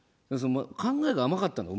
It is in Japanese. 考えが甘かったんだよ